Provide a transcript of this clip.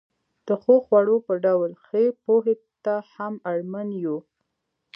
د ښو خوړو په ډول ښې پوهې ته هم اړمن یو.